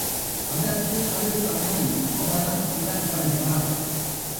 அதற்கு அது சமயம் அவளும் உடன்படுகிறாள்.